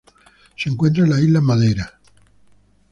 Se encuentra en las Islas Madeira.